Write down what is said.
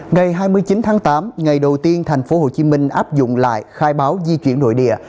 ngày hai mươi chín tháng tám ngày đầu tiên thành phố hồ chí minh áp dụng lại khai báo di chuyển nội địa